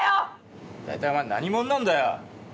大体お前何者なんだよ。